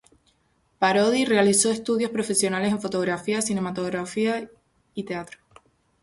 Parodi realizó estudios profesionales en fotografía, cinematografía y teatro.